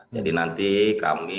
jadi nanti kami